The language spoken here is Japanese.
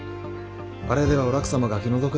あれではお楽様が気の毒だ。